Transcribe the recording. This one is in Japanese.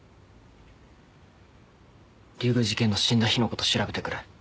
龍宮寺堅の死んだ日のこと調べてくれ。